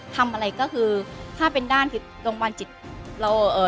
ทำอะไรก็คือถ้าเป็นด้านคือตรงบรรจิตเราเอ่อ